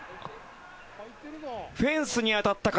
フェンスに当たったか。